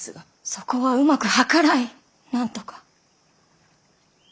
そこはうまく計らいなんとか。